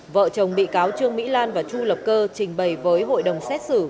vợ chồng bị cáo trương mỹ lan và chu lập cơ trình bày với hội đồng xét xử